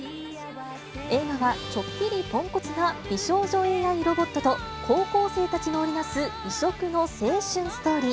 映画はちょっぴりポンコツな美少女ＡＩロボットと、高校生たちの織り成す異色の青春ストーリー。